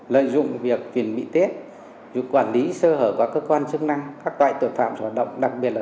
lợi dụng việc quyền bị tết